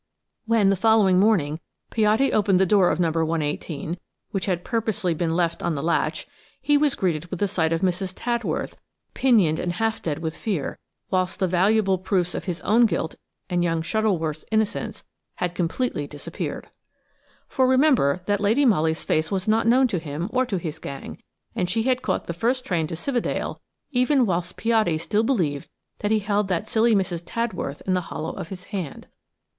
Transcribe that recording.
When, the following morning, Piatti opened the door of No. 118, which had purposely been left on the latch, he was greeted with the sight of Mrs. Tadworth pinioned and half dead with fear, whilst the valuable proofs of his own guilt and young Shuttleworth's innocence had completely disappeared. For remember that Lady Molly's face was not known to him or to his gang, and she had caught the first train to Cividale even whilst Piatti still believed that he held that silly Mrs. Tadworth in the hollow of his hand.